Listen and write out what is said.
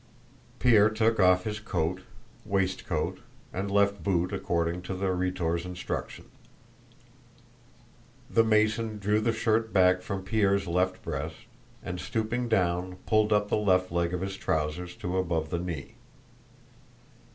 Pierre took off his coat, waistcoat, and left boot according to the Rhetor's instructions. The Mason drew the shirt back from Pierre's left breast, and stooping down pulled up the left leg of his trousers to above the knee.